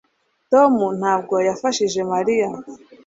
tom ntabwo yafashije mariya